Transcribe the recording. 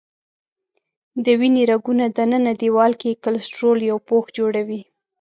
د وینې رګونو دننه دیوال کې کلسترول یو پوښ جوړوي.